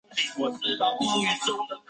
叶纸全缘或波状缘。